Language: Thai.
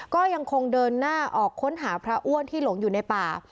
ก็ยังคงเดินหน้าออกค้นหาพระอ้วนที่หลงอยู่ในป่า